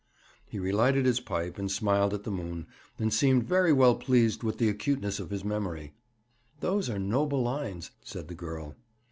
"' He relighted his pipe, and smiled at the moon, and seemed very well pleased with the acuteness of his memory. 'Those are noble lines,' said the girl.